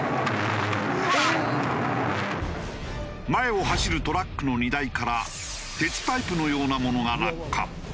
前を走るトラックの荷台から鉄パイプのようなものが落下。